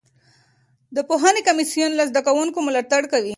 د پوهنې کمیسیون له زده کوونکو ملاتړ کوي.